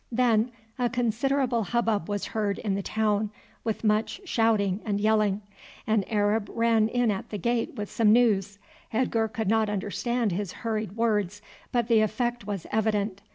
Then a considerable hubbub was heard in the town, with much shouting and yelling. An Arab ran in at the gate with some news. Edgar could not understand his hurried words, but the effect was evident.